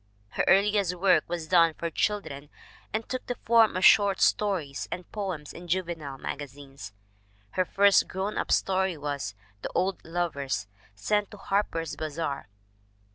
Her earliest work was done for children and took the form of short stories and poems in juvenile magazines. Her first grown up story was The Old Lovers, sent to Harper's Bazar.